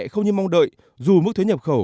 không như mong đợi dù mức thuế nhập khẩu